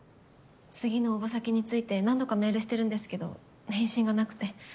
次の応募先について何度かメールしてるんですけど返信がなくて。